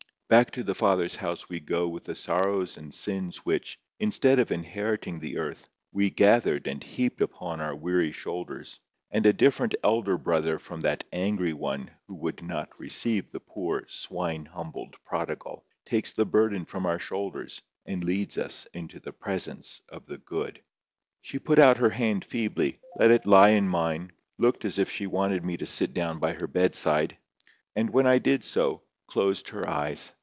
Back to the Father's house we go with the sorrows and sins which, instead of inheriting the earth, we gathered and heaped upon our weary shoulders, and a different Elder Brother from that angry one who would not receive the poor swine humbled prodigal, takes the burden from our shoulders, and leads us into the presence of the Good. She put out her hand feebly, let it lie in mine, looked as if she wanted me to sit down by her bedside, and when I did so, closed her eyes.